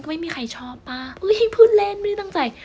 มันก็ไม่มีใครชอบป่ะอุ๊ยพูดเล่นไม่ตั้งใจ